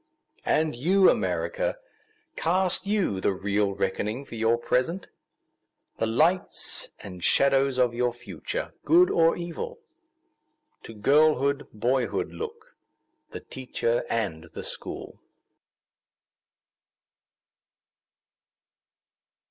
And you, America, Cast you the real reckoning for your present? The lights and shadows of your future—good or evil? To girlhood, boyhood look—the Teacher and the School.